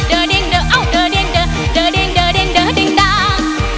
เดอเด็งเดอเดอเด็งเดอเดอเด็งเดอเด็งเดอเด็งดัง